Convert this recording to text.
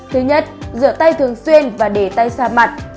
thứ nhất rửa tay thường xuyên và để tay xa mặt